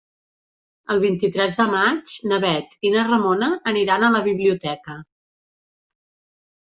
El vint-i-tres de maig na Bet i na Ramona aniran a la biblioteca.